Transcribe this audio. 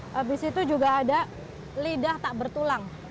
habis itu juga ada lidah tak bertulang